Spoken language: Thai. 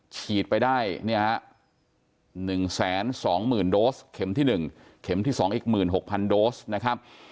ฉีดไปได้๑แสน๒หมื่นโดสเข็มที่๑เข็มที่๒อีก๑๖๐๐๐โดสนะครับ